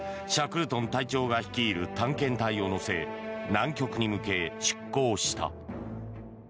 シャクルトン隊長が率いる探検隊を乗せ南極に向け出港した。